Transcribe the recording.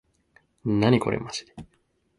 なにこれまじで